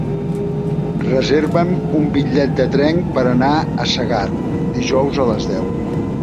Reserva'm un bitllet de tren per anar a Segart dijous a les deu.